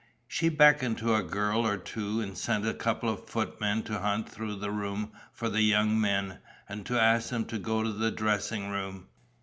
She beckoned to a girl or two and sent a couple of footmen to hunt through the room for the young men and to ask them to go to the dressing room.